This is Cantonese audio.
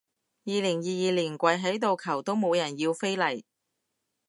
二零二二年跪喺度求都冇人要飛嚟